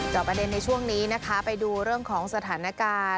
ประเด็นในช่วงนี้นะคะไปดูเรื่องของสถานการณ์